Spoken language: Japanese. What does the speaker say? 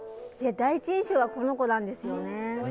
第一印象はこの子なんですよね。